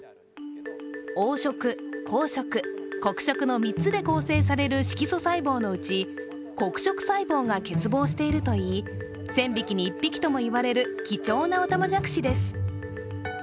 黄色、虹色、黒色の３つで構成される色素細胞のうち黒色細胞が欠乏しているといい１０００匹に１匹ともいわれる貴重なおたまじゃくしです。